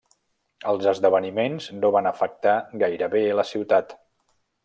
Els esdeveniments no van afectar gairebé la ciutat.